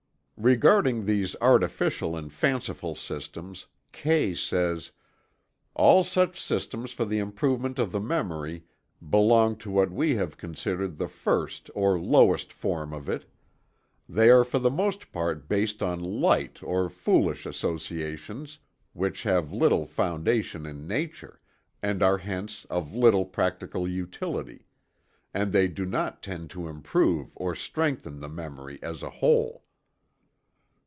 Regarding these artificial and fanciful systems, Kay says: "All such systems for the improvement of the memory belong to what we have considered the first or lowest form of it. They are for the most part based on light or foolish associations which have little foundation in nature, and are hence of little practical utility; and they do not tend to improve or strengthen the memory as a whole."